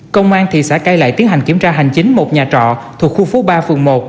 công an thị xã cai lệ tiến hành kiểm tra hành chính một nhà trọ thuộc khu phố ba phường một